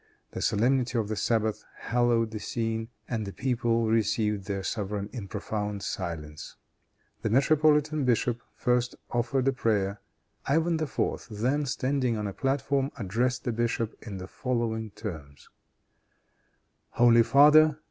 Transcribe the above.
The solemnity of the Sabbath hallowed the scene, and the people received their sovereign in profound silence. The metropolitan bishop first offered a prayer. Ivan IV. then, standing on a platform, addressed the bishop in the following terms: "Holy father!